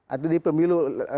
atau di pemilu